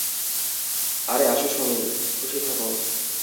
আরে আসো সুনিল, খুশি থাকো।